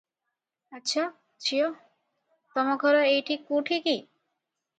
ଆଚ୍ଛା, ଝିଅ, ତମଘର ଏଇଠି କୁଠି କି?”